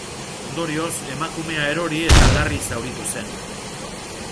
Ondorioz emakumea erori eta larri zauritu zen.